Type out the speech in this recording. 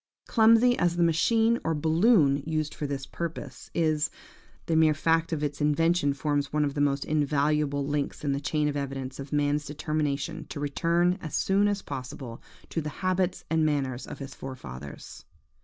Clumsy as the machine or balloon used for this purpose is, the mere fact of its invention forms one of the most invaluable links in the chain of evidence of man's determination to return as soon as possible to the habits and manners of his forefathers.